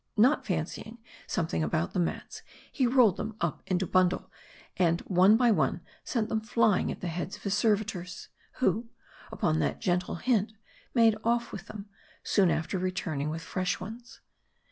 Not fancying something about the mats, he rolled them up into bundles, and one by one sent them flying at the heads of his servitors ; who, upon that gentle hint made off with them, soon after returning with fresh ones.